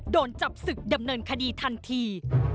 โดนจับศึกดำเนินคดีทันที